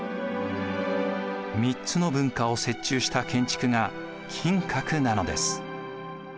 ３つの文化を折衷した建築が金閣なのです。